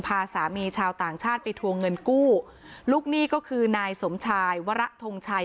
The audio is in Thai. พาสามีชาวต่างชาติไปทวงเงินกู้ลูกหนี้ก็คือนายสมชายวระทงชัย